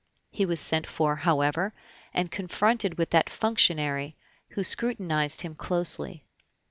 He was sent for, however, and confronted with that functionary, who scrutinized him closely.